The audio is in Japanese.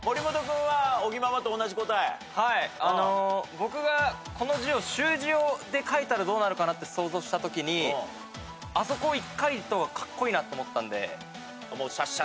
僕がこの字を習字で書いたらどうなるかなって想像したときにあそこ１回でいった方がカッコイイなと思ったんで。